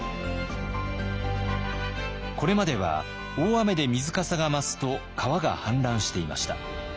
これまでは大雨で水かさが増すと川が氾濫していました。